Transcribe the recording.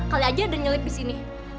kali aja ada nyelip disini